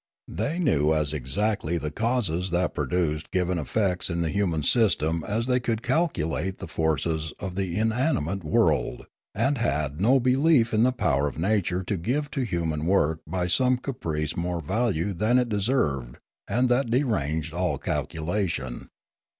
They knew as exactly the causes that produced given effects in the human system as they could calculate the forces of the inanimate world, and had no belief in the power of nature to give to human work by some caprice more value than it deserved and that deranged all calculation.